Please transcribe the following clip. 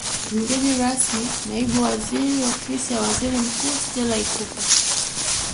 Mgeni rasmi Naibu Waziri Ofisi ya Waziri Mkuu Stella Ikupa